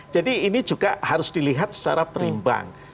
jadi ini juga harus dilihat secara perimbang